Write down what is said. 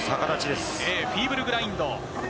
フィーブルグラインド。